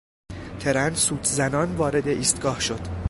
ترن سوت زنان وارد ایستگاه شد.